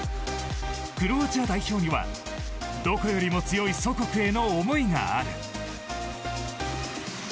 クロアチア代表にはどこよりも強い祖国への思いがある。